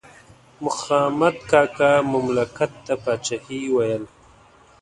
مخامد کاکا مملکت ته پاچاهي ویله.